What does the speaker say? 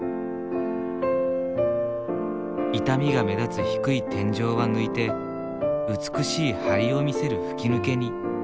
傷みが目立つ低い天井は抜いて美しい梁を見せる吹き抜けに。